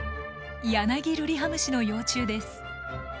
ヤナギルリハムシの幼虫です。